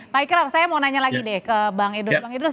pak ikrar saya mau nanya lagi deh ke bang idrus